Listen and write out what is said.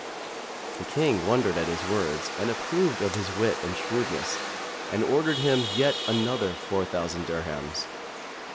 The King wondered at his words and approved of his wit and shrewdness, and ordered him yet another four thousand dirhams.